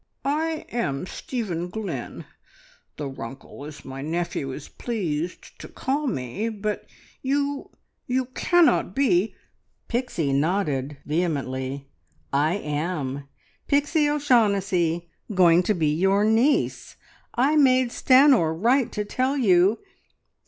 "I am Stephen Glynn `The Runkle,' as my nephew is pleased to call me. But you you cannot be " Pixie nodded vehemently. "I am! Pixie O'Shaughnessy. Going to be your niece. I made Stanor write to tell you.